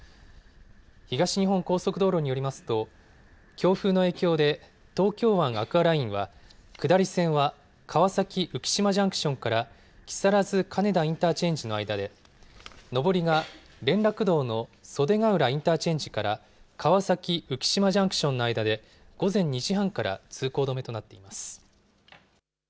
東日本高速道路によりますと強風の影響で東京湾アクアラインは下り線は川崎浮島ジャンクションから木更津金田インターチェンジの間で上りが連絡道の袖ケ浦インターチェンジから川崎浮島ジャンクションの間で午前２時半から通行止めとなっています。